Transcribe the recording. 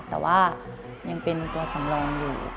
แต่ว่ายังเป็นตัวสำรองอยู่